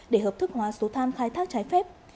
để hợp thức hóa số than khai thác trái phép